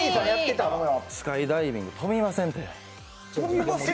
スカイダイビング、飛びませんって。